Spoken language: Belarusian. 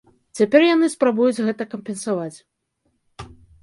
Цяпер яны спрабуюць гэта кампенсаваць.